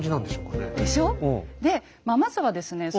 でしょ？でまずはですね